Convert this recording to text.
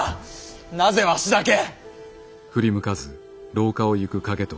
なぜわしだけ。